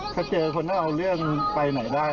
ถ้าเจอคนถ้าเอาเล่งไปหน่อยไป